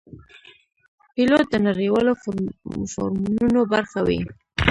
پیلوټ د نړیوالو فورمونو برخه وي.